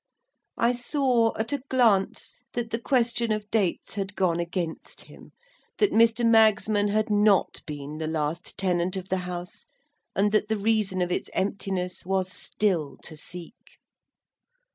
I saw, at a glance, that the question of dates had gone against him, that Mr. Magsman had not been the last tenant of the House, and that the reason of its emptiness was still to seek.